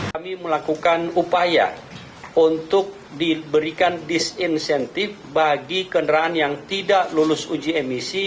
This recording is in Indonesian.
kami melakukan upaya untuk diberikan disinsentif bagi kendaraan yang tidak lulus uji emisi